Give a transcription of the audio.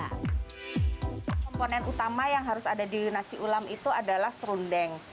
komponen utama yang harus ada di nasi ulam itu adalah serundeng